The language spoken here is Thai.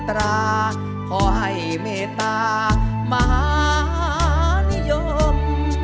มนตราขอให้เมตตามหานิยม